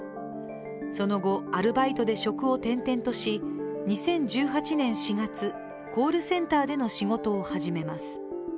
その後、アルバイトで職を転々とし２０１８年４月、コールセンターでの仕事を始めます。